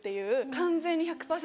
完全に１００％